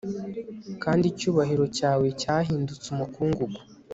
kandi icyubahiro cyawe cyahindutse umukungugu